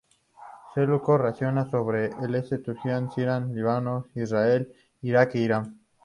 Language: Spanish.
Seleuco reinaba sobre el este de Turquía, Siria, Líbano, Israel, Irak e Irán.